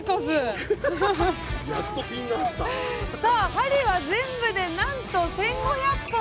針は全部でなんと１，５００本！